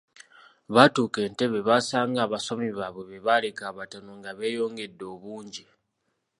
Baatuuka Entebbe baasanga abasomi baabwe be baaleka abatono nga beeyongedde obungi.